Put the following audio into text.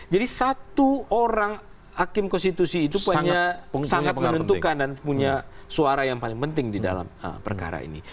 jadi satu orang hakim konstitusi itu punya sangat menentukan dan punya suara yang paling penting di dalam perkara ini